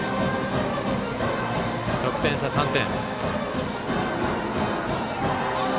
得点差は３点。